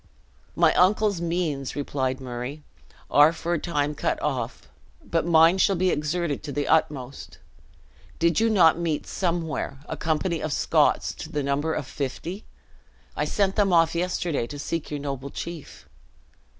"My uncle's means," replied Murray, "are for a time cut off: but mine shall be exerted to the utmost. Did you not meet, somewhere, a company of Scots to the number of fifty? I sent them off yesterday to seek your noble chief."